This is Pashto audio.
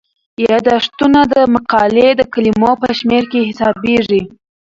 یادښتونه د مقالې د کلمو په شمیر کې حسابيږي.